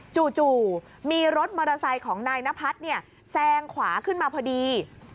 จู่มีรถมอเตอร์ไซค์ของนายนพัฒน์เนี่ยแซงขวาขึ้นมาพอดี